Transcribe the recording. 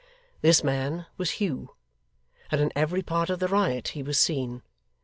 This man was Hugh; and in every part of the riot, he was seen.